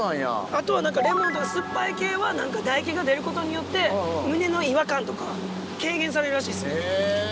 あとはレモンとか酸っぱい系は唾液が出ることによって胸の違和感とか軽減されるらしいです。